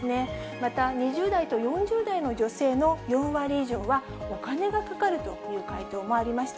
また２０代と４０代の女性の４割以上は、お金がかかるという回答もありました。